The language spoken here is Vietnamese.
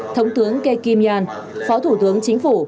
thống tướng ke kim nhan phó thủ tướng chính phủ